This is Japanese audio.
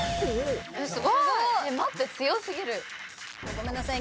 ごめんなさい。